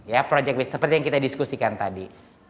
ya project base seperti yang kita diskusikan tadi